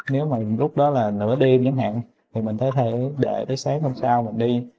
nếu mà lúc đó là nửa đêm chẳng hạn thì mình thấy để tới sáng hôm sau mình đi